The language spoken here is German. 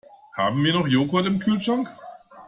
Haben wir noch Joghurt im Kühlschrank?